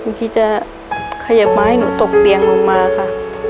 คิดจะขยับมาให้หนูตกเตียงลงมาค่ะ